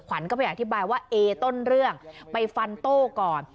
ขวัญก็ไปอธิบายว่าเอต้นเรื่องไปฟันโต้ก่อน